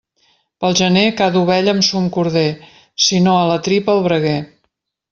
Pel gener, cada ovella amb son corder; si no a la tripa, al braguer.